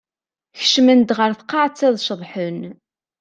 Kecmen-d ɣer tqaɛett ad ceḍḥen.